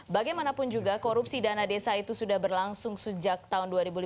bagaimanapun juga korupsi dana desa itu sudah berlangsung sejak tahun dua ribu lima belas